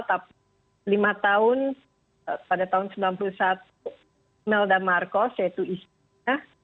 tapi lima tahun pada tahun seribu sembilan ratus sembilan puluh satu melda marcos yaitu istrinya